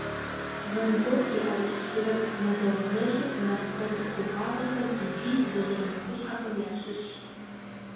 Ван Гог и ӏэрыщӏ сурэт «Мазэгъуэ жэщыр» нэхъ къэцӏыхугъуафӏэхэм икӏи лэжьыгъэ нэхъыщхьэхэм ящыщщ.